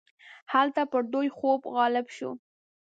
هلته پر دوی خوب غالب شو.